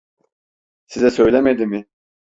Size söylemedi mi?